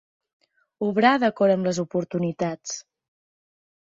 Obrar d'acord amb les oportunitats.